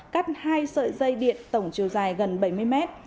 cắt hai sợi dây điện tổng chiều dài gần bảy mươi mét